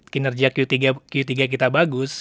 kinerja q tiga kita bagus